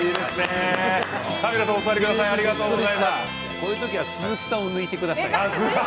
こういう時は鈴木さんを抜いてください。